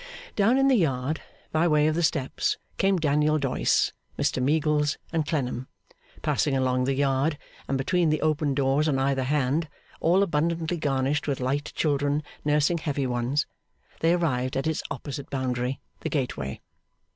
Down in to the Yard, by way of the steps, came Daniel Doyce, Mr Meagles, and Clennam. Passing along the Yard, and between the open doors on either hand, all abundantly garnished with light children nursing heavy ones, they arrived at its opposite boundary, the gateway.